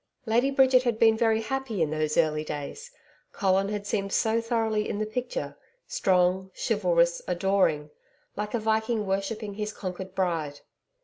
Lady Bridget had been very happy in those early days. Colin had seemed so thoroughly in the picture strong, chivalrous, adoring like a Viking worshipping his conquered bride.